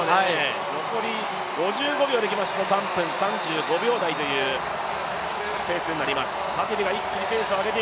残り５５秒でいきますと、３分３５秒台というペースになります。